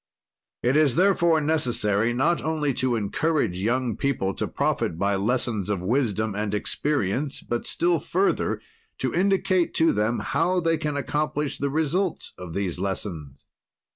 "It is, therefore, necessary, not only to encourage young people to profit by lessons of wisdom and experience, but, still further, to indicate to them how they can accomplish the result of these lessons.